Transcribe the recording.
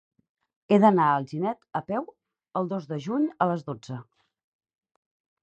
He d'anar a Alginet a peu el dos de juny a les dotze.